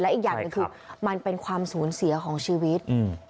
และอีกอย่างก็คือมันเป็นความสูญเสียของชีวิต